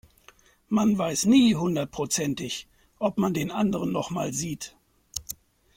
Man weiß nie hundertprozentig, ob man den anderen noch mal sieht.